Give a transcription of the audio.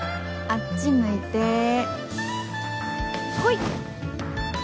あっち向いてホイ！